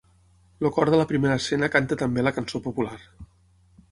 El cor de la primera escena canta també la cançó popular.